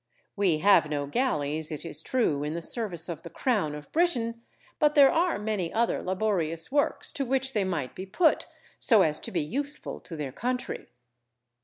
We have no galleys, it is true, in the service of the crown of Britain, but there are many other laborious works to which they might be put so as to be useful to their country.